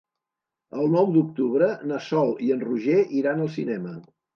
El nou d'octubre na Sol i en Roger iran al cinema.